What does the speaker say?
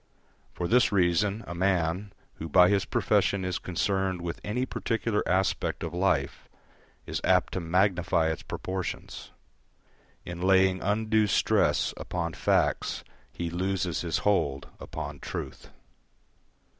For this reason a man, who by his profession is concerned with any particular aspect of life, is apt to magnify its proportions; in laying undue stress upon facts he loses his hold upon truth.